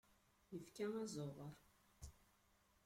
Ifka azuɣer.